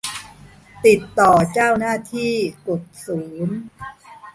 ติดต่อเจ้าหน้าที่ กดศูนย์